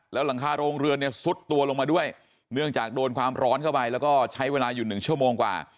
แล้วหลังคาโรงเรือนเนี่ยซุดตัวลงมาด้วยเนื่องจากโดนความร้อนเข้าไปแล้วก็ใช้เวลาอยู่หนึ่งชั่วโมงกว่า